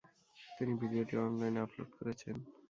তিনি ভিডিওটি অনলাইনে আপলোড করেছেন।